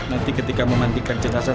nanti ketika memandikan jenazah